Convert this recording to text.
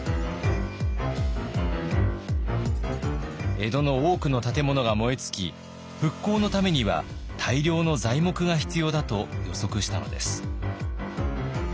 江戸の多くの建物が燃え尽き復興のためには大量の材木が必要だと予測したのです。